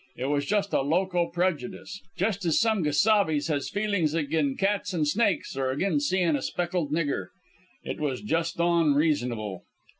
It was just a loco prejudice. Just as some gesabes has feelin's agin cats an' snakes, or agin seein' a speckled nigger. It was just on reasonable.